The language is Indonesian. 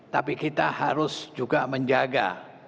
tapi kita harus juga menjaga